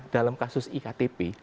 dalam kasus iktp